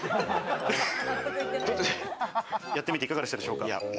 やってみて、いかがでしたでしょうか？